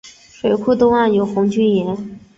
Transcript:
水库东岸有红军岩。